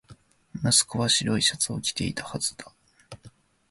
息子は白いシャツを着ていたはずだ